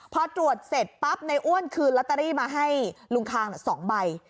พอตรวจเสร็จปั๊บในอ้วนคืนลอตเตอรี่มาให้ลุงคาง๒ใบ